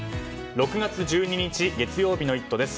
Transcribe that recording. ６月１２日月曜日の「イット！」です。